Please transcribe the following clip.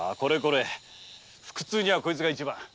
腹痛にはこれが一番。